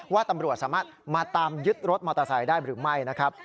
ว่าตำรวจสามารถมาตามยึดรถมอเตอร์ไซค์ได้หรือไม่นะครับ